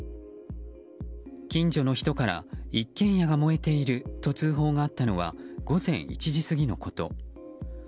近所の人から一軒家が燃えていると通報があったのは午前１時過ぎのこと。